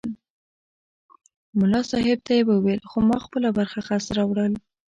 ملا صاحب ته یې وویل ما خو خپله برخه خس راوړل.